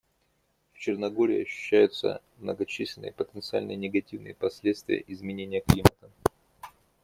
В Черногории ощущаются многочисленные потенциальные негативные последствия изменения климата.